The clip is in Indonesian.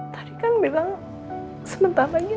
tadi kan bilang sebentar lagi